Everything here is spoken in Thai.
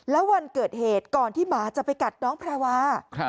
แล้ววันเกิดเหตุก่อนที่หมาจะไปกัดน้องแพรวา